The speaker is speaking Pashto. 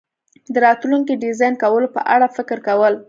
د راتلونکي ډیزاین کولو په اړه فکر کول